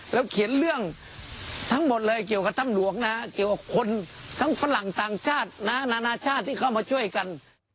แล้วเขียนเรื่องทั้งหมดเลยเกี่ยวกับถ้ำหลวงนะเกี่ยวกับคนทั้งฝรั่งต่างชาตินะนานาชาติที่เข้ามาช่วยกัน